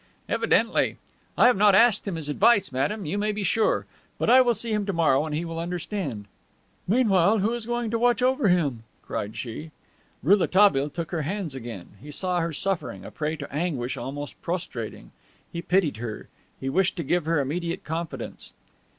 "Evidently. I have not asked him his advice, madame, you may be sure. But I will see him to morrow and he will understand." "Meanwhile, who is going to watch over him?" cried she. Rouletabille took her hands again. He saw her suffering, a prey to anguish almost prostrating. He pitied her. He wished to give her immediate confidence.